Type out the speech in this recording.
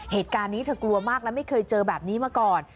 เหตุการณ์นี้เธอกลัวมากและไม่เคยเจอแบบนี้มาก่อน